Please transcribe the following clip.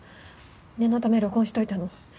念のため録音しておいたの。